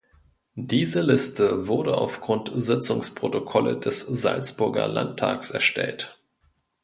Diese Liste wurde auf Grund Sitzungsprotokolle des Salzburger Landtags erstellt